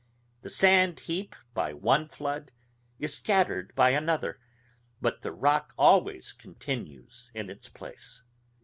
The sand heap by one flood is scattered by another, but the rock always continues in its place.